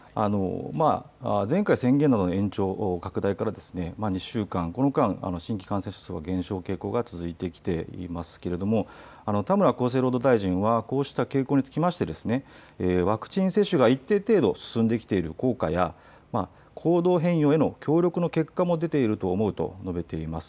前回、宣言の延長、拡大から２週間、この間、新規感染者数は減少傾向が続いてきていますけれども、田村厚生労働大臣はこうした傾向につきまして、ワクチン接種が一定程度進んできている効果や、行動変容への協力の結果も出ていると思うと述べています。